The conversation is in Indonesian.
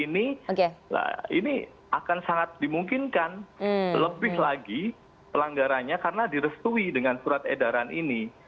nah ini akan sangat dimungkinkan lebih lagi pelanggarannya karena direstui dengan surat edaran ini